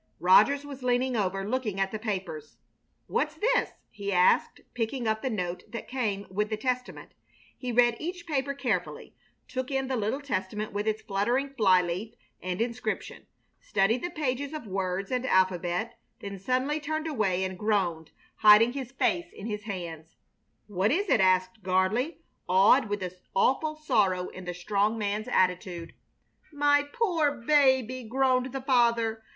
Rogers was leaning over, looking at the papers. "What's this?" he asked, picking up the note that came with the Testament. He read each paper carefully, took in the little Testament with its fluttering fly leaf and inscription, studied the pages of words and alphabet, then suddenly turned away and groaned, hiding his face in his hands. "What is it?" asked Gardley, awed with the awful sorrow in the strong man's attitude. "My poor baby!" groaned the father.